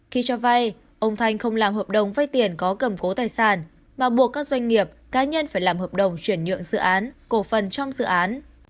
khi cho vay ông thanh không làm hợp đồng vay tiền có cầm cố tài sản mà buộc các doanh nghiệp cá nhân phải làm hợp đồng chuyển nhượng dự án cổ phần trong dự án